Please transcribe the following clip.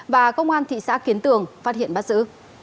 và công an thị xã kiến tường phát hiện bắt giữ